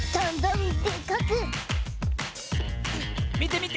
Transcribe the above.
みてみて！